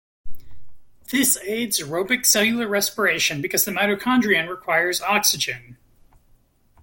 This aids aerobic cellular respiration, because the mitochondrion requires oxygen.